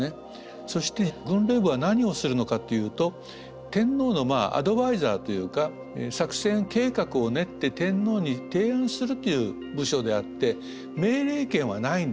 そして軍令部は何をするのかというと天皇のアドバイザーというか作戦計画を練って天皇に提案するという部署であって命令権はないんです。